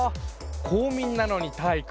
公民なのに体育！